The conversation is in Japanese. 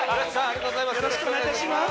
ありがとうございます。